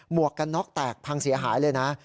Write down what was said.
วกกันน็อกแตกพังเสียหายเลยนะ